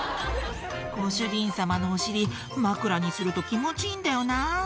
「ご主人様のお尻枕にすると気持ちいいんだよな」